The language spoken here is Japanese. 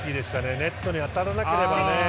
ネットに当たらなければね。